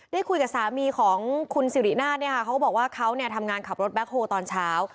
ได้คุยกับสามีของคุณสิรินาทเนี่ยค่ะเขาก็บอกว่าเขาทำงานขับรถแบ็คโฮตอนเช้า